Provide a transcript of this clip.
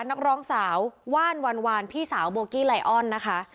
นักร้องสาวว่านวันวานพี่สาวโบกี้ไลออนนะคะ